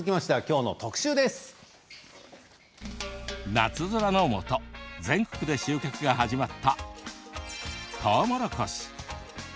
夏空のもと全国で収穫が始まったとうもろこし。